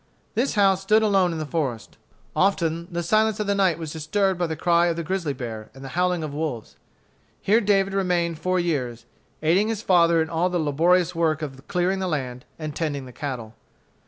This house stood alone in the forest. Often the silence of the night was disturbed by the cry of the grizzly bear and the howling of wolves. Here David remained four years, aiding his father in all the laborious work of clearing the land and tending the cattle.